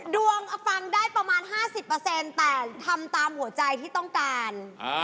ดวงฟังได้ประมาณ๕๐แต่ทำตามหัวใจที่ต้องการ